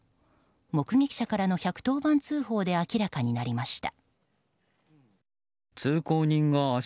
目撃者からの１１０番通報で明らかになりました。